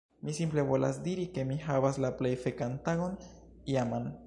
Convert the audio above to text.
Mi simple volas diri ke mi havas la plej fekan tagon iaman.